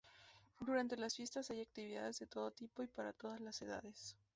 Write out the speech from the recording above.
Durante las fiestas hay actividades de todo tipo y para todas las edades.